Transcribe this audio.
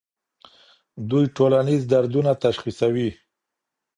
دوی ټولنیز دردونه تشخیصوي.